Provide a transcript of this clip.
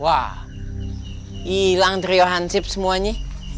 wah hilang trio hansip semuanya